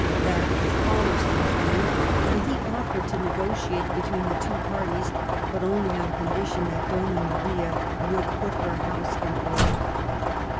That was Palmerston's view, and he ofiTered to negotiate between the two parties, but only on condition that Donna Maria would put her house in order.